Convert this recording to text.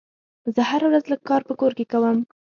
زه هره ورځ لږ کار په کور کې کوم.